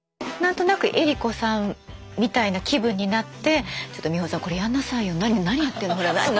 何となく江里子さんみたいな気分になって「ちょっと美穂さんこれやんなさいよ。何やってんのほら。